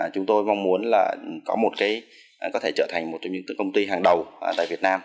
chúng tôi mong muốn có thể trở thành một trong những công ty hàng đầu tại việt nam